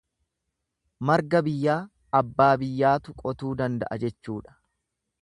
Marga biyyaa abbaa biyyaatu qotuu danda'a jechuudha.